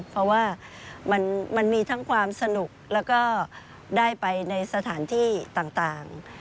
เพราะว่ามันมีทั้งความสนุกแล้วก็ได้ไปในสถานที่ต่าง